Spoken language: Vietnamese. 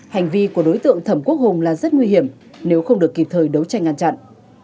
hành vi của đối tượng thẩm quốc hùng là rất nguy hiểm nếu không được kịp thời đấu tranh ngăn chặn